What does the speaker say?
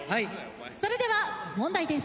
それでは問題です。